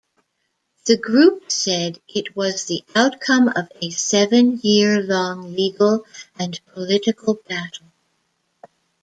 The group said it was the outcome of a "seven-year-long legal and political battle".